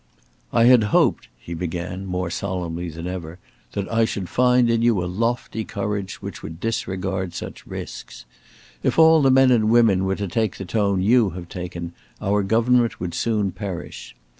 "I had hoped," he began more solemnly than ever, "that I should find in you a lofty courage which would disregard such risks. If all the men and women were to take the tone you have taken, our government would soon perish.